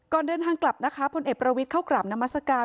ก่อนเดินทางกลับพลประวิศข้ากลามนามัสการ